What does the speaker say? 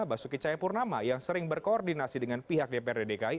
basuki cahayapurnama yang sering berkoordinasi dengan pihak dprd dki